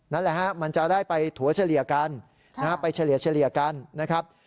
นั่นแหละฮะมันจะได้ไปถั่วเฉลี่ยกันไปนะฮะไปเฉลี่ยกันนะครับ